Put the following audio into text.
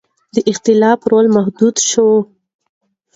د خلافت رول محدود شوی و.